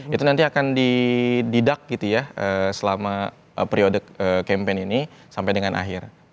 itu nanti akan dididak gitu ya selama periode campaign ini sampai dengan akhir